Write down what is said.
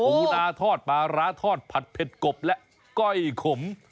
ปูนาทอดปลาร้าทอดผัดเผ็ดกบและก้อยขม